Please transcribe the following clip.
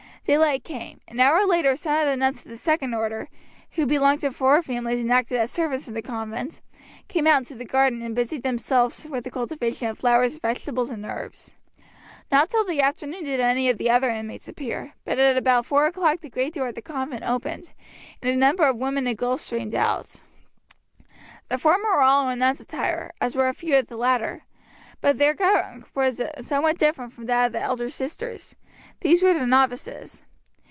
Daylight came. An hour later some of the nuns of the second order, who belonged to poor families and acted as servants in the convent, came out into the garden, and busied themselves with the cultivation of the flowers, vegetables, and herbs. Not till the afternoon did any of the other inmates appear; but at about four o'clock the great door of the convent opened, and a number of women and girls streamed out. The former were all in nuns' attire, as were a few of the latter, but their garb was somewhat different from that of the elder sisters; these were the novices.